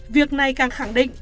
việc này càng khẳng định